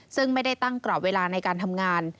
ซึ่งไม่ได้ตั้งกรอบเวลาในการทำงาน